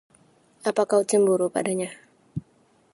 Apa kau cemburu padanya?